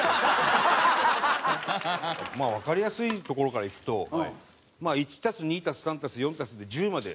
まあわかりやすいところからいくと１足す２足す３足す４足すで１０まで。